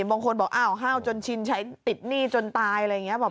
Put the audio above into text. บางคนบอกอ้าวห้าวจนชินใช้ติดหนี้จนตายอะไรอย่างนี้